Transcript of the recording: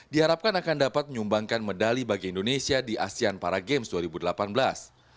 diharapkan akan dapat menyumbangkan medali bagi indonesia di asean para games dua ribu delapan belas